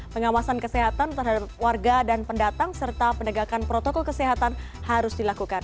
pengawasan kesehatan terhadap warga dan pendatang serta penegakan protokol kesehatan harus dilakukan